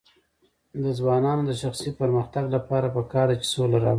د ځوانانو د شخصي پرمختګ لپاره پکار ده چې سوله راوړي.